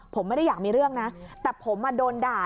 ผมไม่ได้อยากมีเรื่องนะแต่ผมโดนด่า